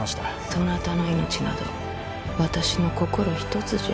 そなたの命など私の心ひとつじゃ。